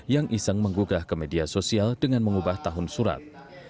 yang iseng menggugah ke media sosial dengan mengubah tahun surat